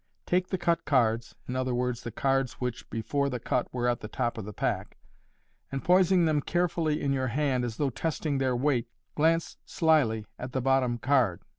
Take the cut cards (i.e., the cards which before the cut were at the top of the pack), and poising them carefully in your hand, as though testing their weight, glance slily at the bottom card.